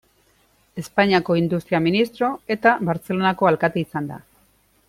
Espainiako industria ministro eta Bartzelonako alkate izan da.